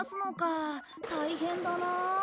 大変だなあ。